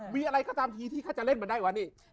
มีอะไรก็ตามทีที่เขาจะเล่นมันได้วะนี่